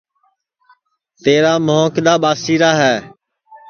تیرا مُھو کِدؔا ٻاسیرا ہے